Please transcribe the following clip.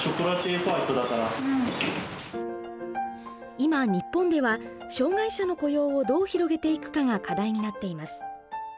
今日本では障害者の雇用をどう広げていくかが課題になっています。